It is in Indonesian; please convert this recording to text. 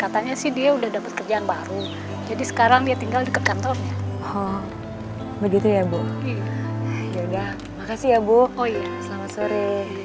tumben gung ngapain lo kesini